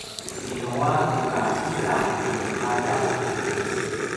izua ka ita tu qadaw